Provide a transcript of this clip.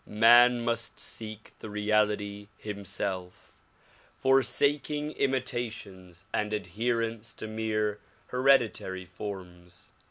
IMan must seek the reality himself, forsaking imitations and adher ence to mere hereditary forms.